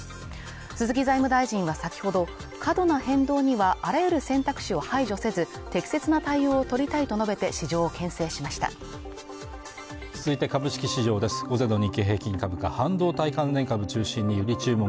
鈴木財務大臣は先ほど過度な変動にはあらゆる選択肢を排除せず適切な対応を取りたいと述べて市場をけん制しました新エッセンスでもっと届きやすく完成！カルビーのパリッ！